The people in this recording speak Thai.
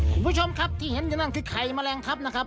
คุณผู้ชมครับที่เห็นอยู่นั่นคือไข่แมลงทัพนะครับ